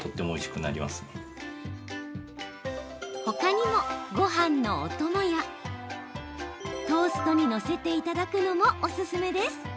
ほかにも、ごはんのお供やトーストに載せていただくのもおすすめです。